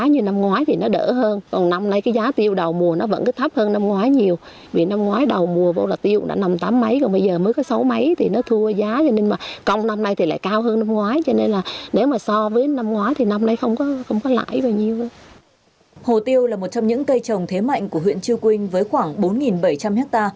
hồ tiêu là một trong những cây trồng thế mạnh của huyện trư quynh với khoảng bốn bảy trăm linh hectare